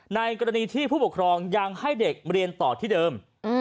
ในกรณีที่ผู้ปกครองยังให้เด็กเรียนต่อที่เดิม